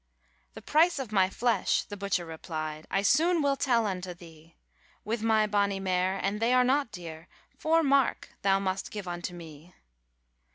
' 'The price of my flesh,' the butcher repli'd, 'I soon will tell unto thee; With my bonny mare, and they are not dear, Four mark thou must give unto me.'